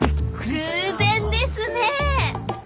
偶然ですね。